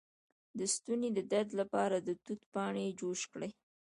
د ستوني د درد لپاره د توت پاڼې جوش کړئ